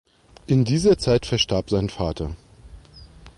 In dieser Zeit verstarb sein Vater.